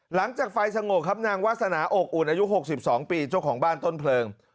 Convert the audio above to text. หลังจากไฟสงบครับนางวาสนาอกอุ่นอายุ๖๒ปีเจ้าของบ้านต้นเพลิง